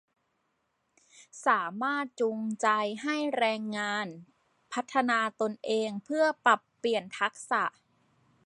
สามารถจูงใจให้แรงงานพัฒนาตนเองเพื่อปรับเปลี่ยนทักษะ